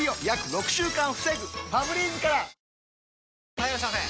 ・はいいらっしゃいませ！